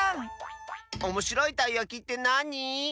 おもしろいたいやきってなに？